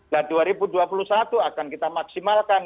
dan dua ribu dua puluh satu akan kita maksimalkan